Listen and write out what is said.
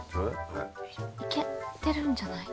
行けてるんじゃない？